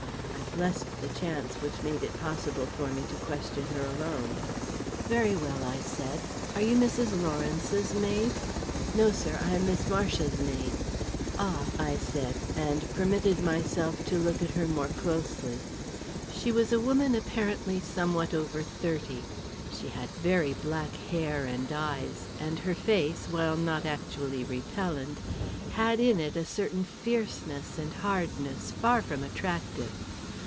I blessed the chance which made it possible for me to question her alone. "Very well," I said. "Are you Mrs. Lawrence's maid?" "No, sir; I'm Miss Marcia's maid." "Ah!" I said, and permitted myself to look at her more closely. She was a woman apparently somewhat over thirty. She had very black hair and eyes, and her face, while not actually repellent, had in it a certain fierceness and hardness far from attractive.